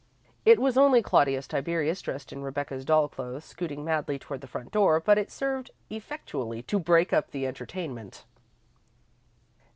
It was only Claudius Tiberius, dressed in Rebecca's doll's clothes, scooting madly toward the front door, but it served effectually to break up the entertainment.